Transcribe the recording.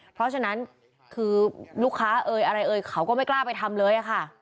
เพราะฉะนั้นคือลูกค้าเอ่ยอะไรเอ่ยเขาก็ไม่กล้าไปทำเลยค่ะ